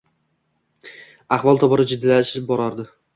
Ahvol tobora jiddiylashib borardi.